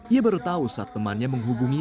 ia baru tahu saat temannya menghubungi